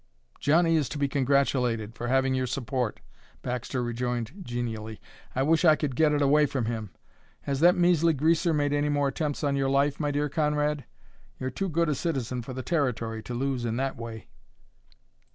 "Johnny is to be congratulated for having your support," Baxter rejoined genially; "I wish I could get it away from him. Has that measly greaser made any more attempts on your life, my dear Conrad? You're too good a citizen for the Territory to lose in that way."